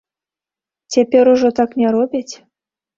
Цяпер ужо так не робяць?